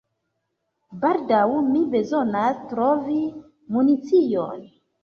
Baldaŭ mi bezonas trovi municion.